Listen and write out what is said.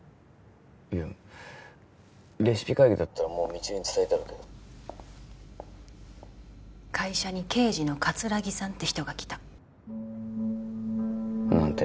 いやレシピ会議だったらもう未知留に伝えてあるけど会社に刑事の葛城さんって人が来た何て？